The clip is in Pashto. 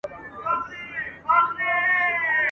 دواړه پرېوتل پر مځکه تاوېدله !.